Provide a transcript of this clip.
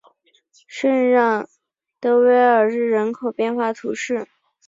圣让德韦尔日人口变化图示